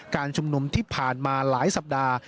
การชุมนุมที่ผ่านมาหลายสัปดาห์